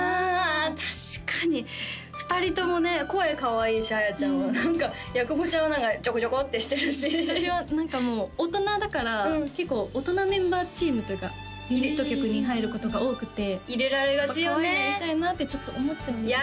確かに２人ともね声かわいいしあやちゃんも何か矢久保ちゃんはちょこちょこってしてるし私は何かもう大人だから結構大人メンバーチームというかユニット曲に入ることが多くてかわいいのやりたいなってちょっと思っちゃうんですよね